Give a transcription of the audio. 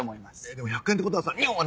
でも１００円ってことはさニュは。